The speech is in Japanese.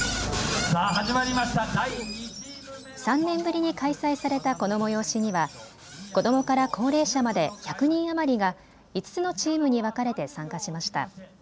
３年ぶりに開催されたこの催しには子どもから高齢者まで１００人余りが５つのチームに分かれて参加しました。